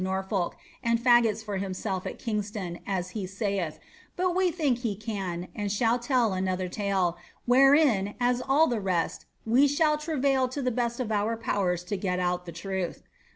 Norfolk, andlagot9 for himself at Kingston, as lie aaith, but wa think he can, and shall tell another tale, wherein, as in all the rest, we sh^ Irarail to the best of our powers to g«t out the inith.